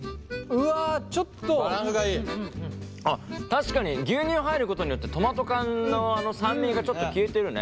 確かに牛乳入ることによってトマト缶のあの酸味がちょっと消えてるね。